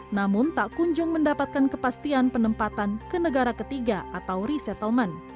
namun tak kunjung mendapatkan kepastian penempatan ke negara ketiga atau resettlement